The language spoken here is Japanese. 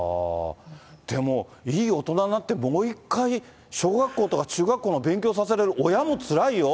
でも、いい大人になって、もう１回小学校とか中学校の勉強させられる親もつらいよ。